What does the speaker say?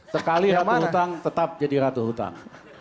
sekali ratu hutang tetap jadi ratu hutang